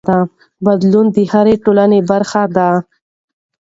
بدلون د هرې ټولنې برخه ده.